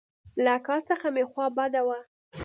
له اکا څخه مې خوا بده وه.